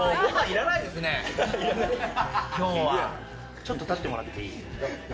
ちょっと立ってもらっていい？